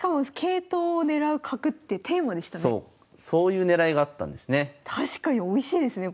そういうねらいがあったんですね。